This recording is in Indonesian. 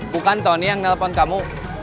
bukan tony yang nelpon kamu